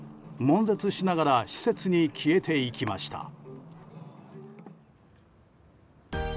悶絶しながら施設に消えていきました。